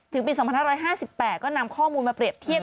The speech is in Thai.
ปี๒๕๕๘ก็นำข้อมูลมาเปรียบเทียบ